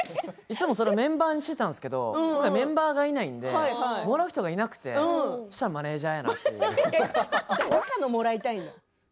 いつも、それをメンバーにしてたんですけどメンバーいないんでもらう人がいなくて、そうしたらマネージャーやなと思って。